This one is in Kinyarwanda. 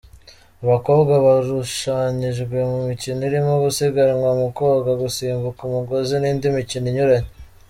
Abakobwa barushanyijwe mu mikino irimo gusiganwa mu koga, gusimbuka umugozi n’indi mikino inyuranye.